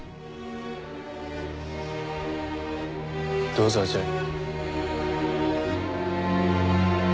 どうぞあちらに。